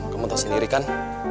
kamu tau sendiri kan